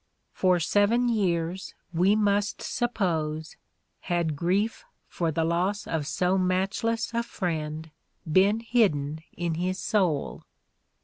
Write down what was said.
For seven years, we must suppose, had grief for the loss of so matchless a friend been hidden in his soul.